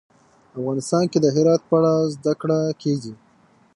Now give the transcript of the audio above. افغانستان کې د هرات په اړه زده کړه کېږي.